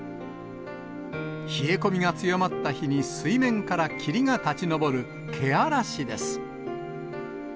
冷え込みが強まった日に水面から霧が立ち上るけあらしです。